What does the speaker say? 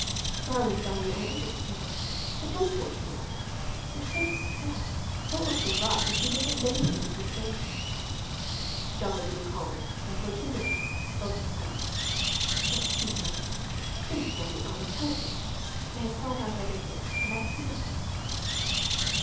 "Darling Dolly, I understand, but don't torture yourself. You are so distressed, so overwrought, that you look at many things mistakenly." Dolly grew calmer, and for two minutes both were silent. "What's to be done? Think for me, Anna, help me. I have thought over everything, and I see nothing."